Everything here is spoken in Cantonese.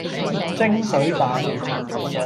蒸水蛋